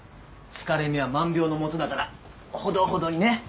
疲れ目は万病のもとだからほどほどにね。